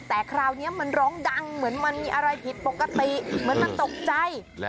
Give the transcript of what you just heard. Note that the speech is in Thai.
แต่คราวนี้มันร้องดังเหมือนมันมีอะไรผิดปกติเหมือนมันตกใจ